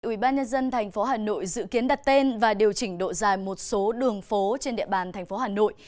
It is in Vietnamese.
ubnd tp hà nội dự kiến đặt tên và điều chỉnh độ dài một số đường phố trên địa bàn tp hà nội